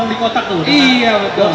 dikotak tuh iya